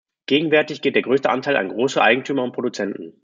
Gegenwärtig geht der größte Anteil an große Eigentümer und Produzenten.